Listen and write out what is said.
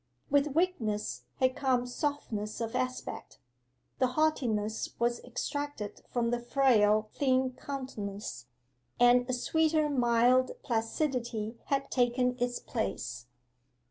With weakness had come softness of aspect: the haughtiness was extracted from the frail thin countenance, and a sweeter mild placidity had taken its place.